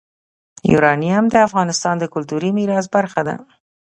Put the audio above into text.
یورانیم د افغانستان د کلتوري میراث برخه ده.